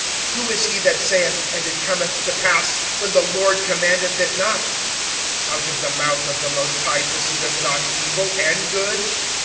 25:003:037 Who is he that saith, and it cometh to pass, when the Lord commandeth it not? 25:003:038 Out of the mouth of the most High proceedeth not evil and good?